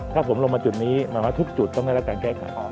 ถ้าผมลงมาจุดนี้หมายว่าทุกจุดต้องได้รับการแก้ไข